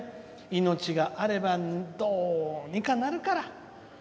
命があれば、どうにかなるから。